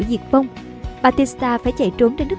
diệt vong batista phải chạy trốn ra đất quốc